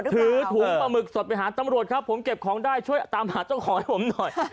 ถือถุงปลาหมึกสดไปหาตำรวจครับผมเก็บของได้ช่วยตามหาเจ้าของให้ผมหน่อย